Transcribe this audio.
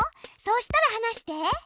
そうしたらはなして。